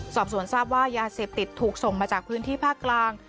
สอบสวนทราบว่ายาเสพติดถูกส่งมาจากพื้นที่ภาคกลาง